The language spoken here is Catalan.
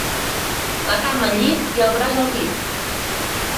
La cama al llit i el braç al pit.